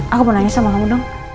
aku mau nanya sama kamu dong